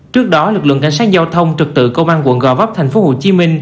trước đó lực lượng cảnh sát giao thông trực tự công an quận gò vấp tp hcm